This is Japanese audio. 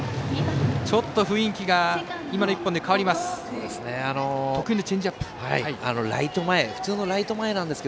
ちょっと雰囲気が今の１本で変わります。